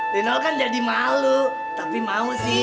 donald kan jadi malu tapi mau sih